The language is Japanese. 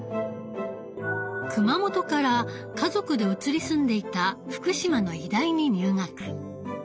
熊本から家族で移り住んでいた福島の医大に入学。